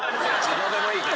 どうでもいいから！